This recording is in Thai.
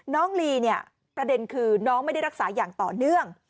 ลีเนี่ยประเด็นคือน้องไม่ได้รักษาอย่างต่อเนื่อง